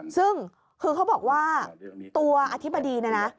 ซึ่งคือเขาบอกว่าตัวอธิบดีเนี่ยนะ